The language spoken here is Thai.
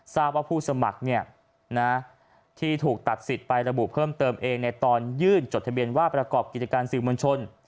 ทราบว่าผู้สมัครที่ถูกตัดสิทธิ์ไประบุเพิ่มเติมเองในตอนยื่นจดทะเบียนว่าประกอบกิจการสื่อมวลชน